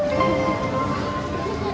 banyak banget cu komplain dari majikan